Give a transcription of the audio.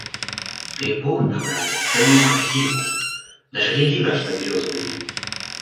Грибов набрали целую корзинку, даже Лили нашла березовый гриб.